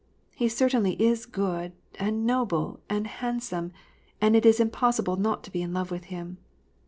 He certainly is good and noble and handsome, and it is impos sible not to be in love with him.